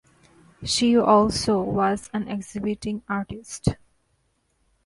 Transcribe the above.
She also was an exhibiting artist.